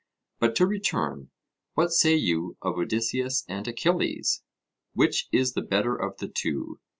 But to return: what say you of Odysseus and Achilles? Which is the better of the two?